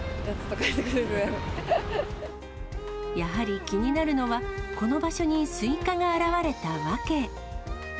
やはり気になるのは、この場所にスイカが現れた訳。